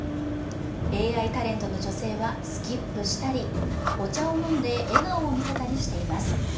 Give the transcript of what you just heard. ＡＩタレントの女性はスキップしたりお茶を飲んで笑顔を見せたりしています。